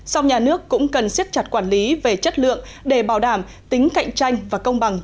sau nhà nước cũng cần siết chặt quản lý về chất lượng để bảo đảm tính cạnh tranh và công bằng